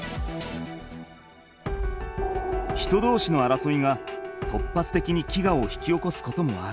人どうしのあらそいが突発的に飢餓を引き起こすこともある。